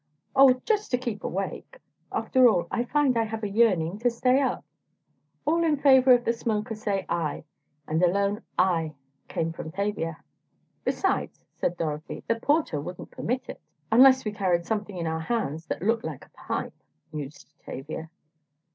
"Oh, just to keep awake. After all, I find I have a yearning to stay up. All in favor of the smoker say 'Aye.'" And a lone "Aye" came from Tavia. "Besides," said Dorothy, "the porter wouldn't permit it." "Unless we carried something in our hands that looked like a pipe," mused Tavia.